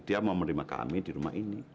dia mau menerima kami di rumah ini